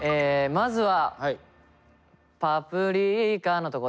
まずは「パプリカ」のとこで。